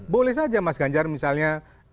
boleh saja mas ganjar misalnya